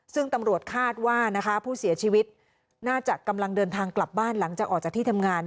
ซึ่งตำรวจคาดว่านะคะผู้เสียชีวิตน่าจะกำลังเดินทางกลับบ้านหลังจากออกจากที่ทำงาน